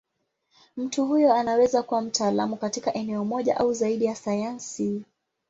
Mtu huyo anaweza kuwa mtaalamu katika eneo moja au zaidi ya sayansi.